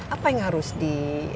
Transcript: apa yang harus di